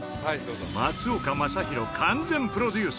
松岡昌宏完全プロデュース。